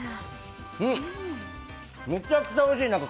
めちゃくちゃおいしい。